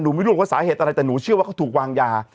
ไม่รู้ว่าสาเหตุอะไรแต่หนูเชื่อว่าเขาถูกวางยา